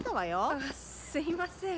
あっすいません。